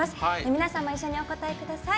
皆さんも一緒にお答えください。